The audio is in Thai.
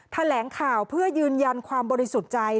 แถลงข่าวเพื่อยืนยันความบริสุทธิ์ใจ